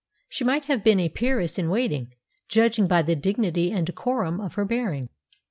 She might have been a peeress in waiting, judging by the dignity and decorum of her bearing.